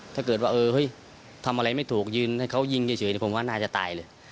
ถ้าเกิดว่าเออเฮ้ยทำอะไรไม่ถูกยืนให้เขายิงเฉยผมว่าน่าจะตายเลย